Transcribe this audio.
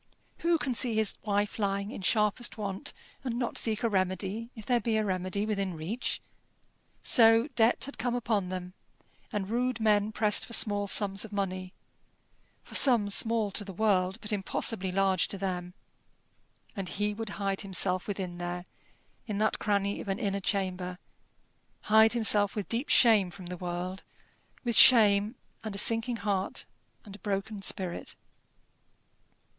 Who can see his wife lying in sharpest want, and not seek a remedy if there be a remedy within reach? So debt had come upon them, and rude men pressed for small sums of money for sums small to the world, but impossibly large to them. And he would hide himself within there, in that cranny of an inner chamber hide himself with deep shame from the world, with shame, and a sinking heart, and a broken spirit.